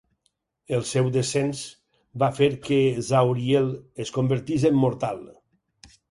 El seu descens va fer que Zauriel es convertís en mortal.